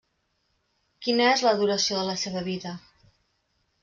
Quina és la duració de la seva vida?